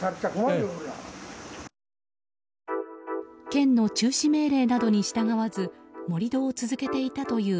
県の中止命令などに従わず盛り土を続けていたという